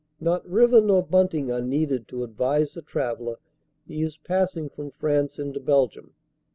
Not river nor bunting are needed to advise the traveller he is passing from France into Belgium.